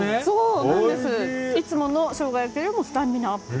いつものしょうが焼きよりもスタミナアップ。